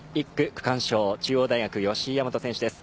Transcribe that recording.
１区、区間賞中央大学の吉居大和選手です。